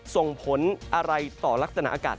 ส่งผลอะไรต่อลักษณะอากาศ